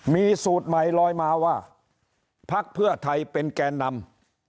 มีสูตรใหม่ลอยมาว่าพักเพื่อไทยเป็นแกนนำ